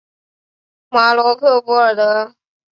马罗克弗尔德。